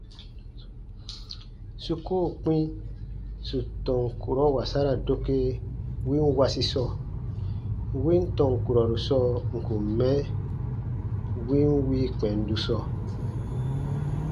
Su koo kpĩ sù tɔn kurɔ wasara doke win wasi sɔɔ, win tɔn kurɔru sɔɔ ǹ kun mɛ win wii kpɛndu sɔɔ.